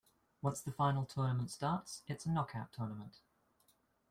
Once the final tournament starts, it's a knockout tournament.